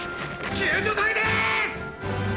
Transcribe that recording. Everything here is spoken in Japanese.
救助隊ですッ。